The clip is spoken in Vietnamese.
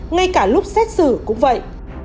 ngay cả lúc xét xử cũng vậy